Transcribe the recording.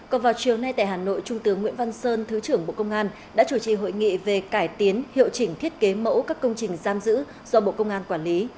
còn vào chiều nay tại hà nội trung tướng nguyễn văn sơn thứ trưởng bộ công an đã chủ trì hội nghị về cải tiến hiệu chỉnh thiết kế mẫu các công trình giam giữ do bộ công an quản lý